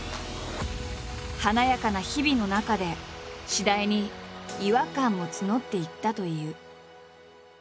華やかな日々の中で次第に違和感も募っていったという。